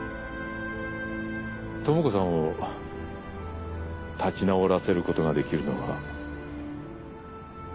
智子さんを立ち直らせることが出来るのは。